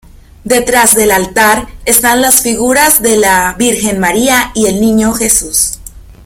Detrás del altar, están las figuras de la Virgen María y el Niño Jesús.